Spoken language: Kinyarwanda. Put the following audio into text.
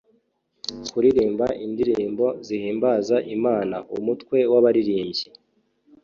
Kuririmba indirimbo zihimbaza Imana (umutwe w’abaririmbyi